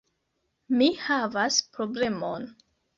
Mi havas problemon!